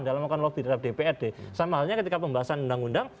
sama halnya ketika pembahasan undang undang